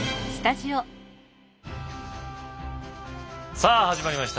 さあ始まりました。